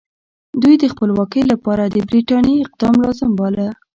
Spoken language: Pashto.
دوی د خپلواکۍ لپاره د برټانیې اقدام لازم باله.